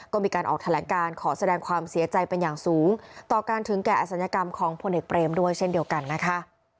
ก็มีการออกแถลงการขอแสดงความเสียใจเป็นอย่างสูงต่อการถึงแก่อศัลยกรรมของพลเอกเปรมด้วยเช่นเดียวกันนะคะ